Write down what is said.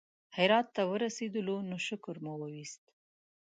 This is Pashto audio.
هرات ته ورسېدلو نو شکر مو وایست.